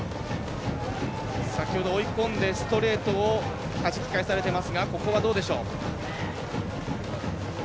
先ほど追い込んでストレートをはじき返されていますがここは、どうでしょう。